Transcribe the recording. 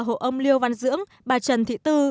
hộ ông liêu văn dưỡng bà trần thị tư